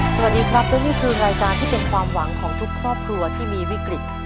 สวัสดีครับและนี่คือรายการที่เป็นความหวังของทุกครอบครัวที่มีวิกฤต